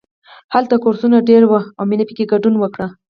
هلته کورسونه ډېر وو او مینې پکې ګډون وکړ